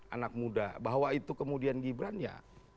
anak muda bahwa itu kemudian gibran ya